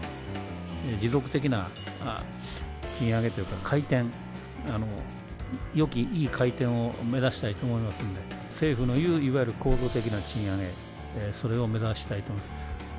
持続的な賃上げというか回転、よきいい回転を目指したいと思いますんで、政府のいう、いわゆる構造的な賃上げ、それを目指したいと思います。